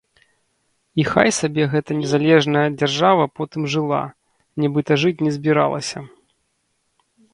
І хай сабе гэтая незалежная дзяржава потым жыла, нібыта жыць не збіралася.